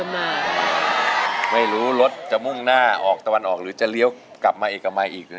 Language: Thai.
ไม่รู้รถจะมุ่งหน้าออกตะวันออกหรือจะเลี้ยวกลับมาเอกมัยอีก